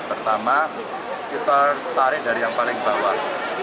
pertama kita tarik dari yang paling bawah